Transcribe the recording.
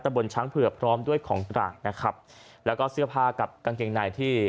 บนช้างเผือกพร้อมด้วยของกลางนะครับแล้วก็เสื้อผ้ากับกางเกงในที่